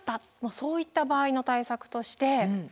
そういった場合の対策としてこちら。